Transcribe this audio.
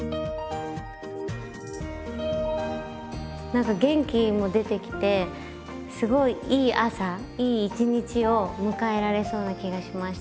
何か元気も出てきてすごいいい朝いい一日を迎えられそうな気がしました。